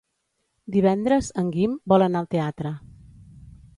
Divendres en Guim vol anar al teatre.